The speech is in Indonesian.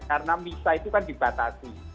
karena misal itu kan dibatasi